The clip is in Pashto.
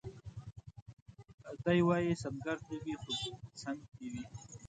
دی وايي سنګر دي وي خو څنګ دي وي